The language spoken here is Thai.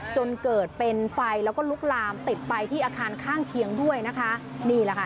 จนเกิดเป็นไฟแล้วก็ลุกลามติดไปที่อาคารข้างเคียงด้วยนะคะนี่แหละค่ะ